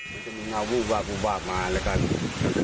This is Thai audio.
คุณลุงเขาเล่าอีกเพลงด้วยนะ